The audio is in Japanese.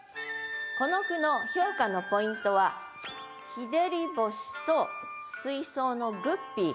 この句の評価のポイントは「旱星」と「水槽のグッピー」